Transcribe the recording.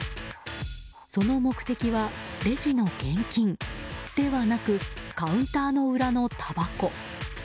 その目的はレジの現金ではなくカウンターの裏のたばこ。